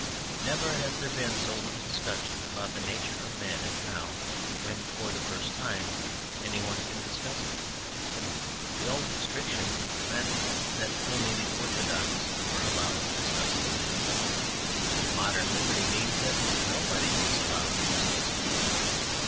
Never has there been so little discussion about the nature of men as now, when, for the first time, any one can discuss it. The old restriction meant that only the orthodox were allowed to discuss religion. Modern liberty means that nobody is allowed to discuss it.